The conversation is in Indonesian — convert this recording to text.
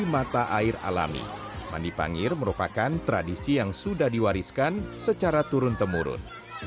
mata air alami mandi pangir merupakan tradisi yang sudah diwariskan secara turun temurun